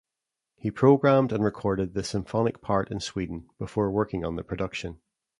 He programmed and recorded the symphonic part in Sweden before working on the production.